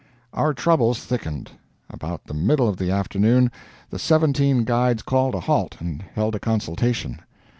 Our troubles thickened. About the middle of the afternoon the seventeen guides called a halt and held a consultation.